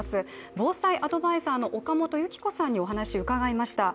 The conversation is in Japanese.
防災アドバイザーの岡本さんにお話を伺いました。